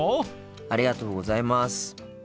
ありがとうございます。